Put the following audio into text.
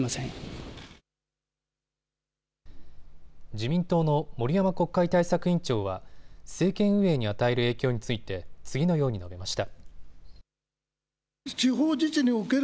自民党の森山国会対策委員長は政権運営に与える影響について次のように述べました。